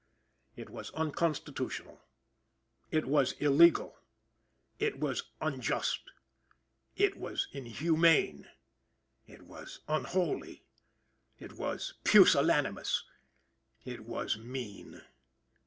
It was unconstitutional. It was illegal. It was unjust. It was inhumane. It was unholy. It was pusillanimous. It was mean.